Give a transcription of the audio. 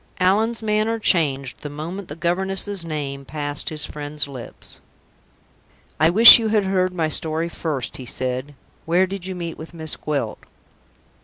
Allan's manner changed the moment the governess's name passed his friend's lips. "I wish you had heard my story first," he said. "Where did you meet with Miss Gwilt?"